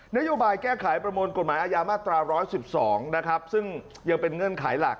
นโยบายแก้ไขประมวลกฎหมายอาญามาตรา๑๑๒นะครับซึ่งยังเป็นเงื่อนไขหลัก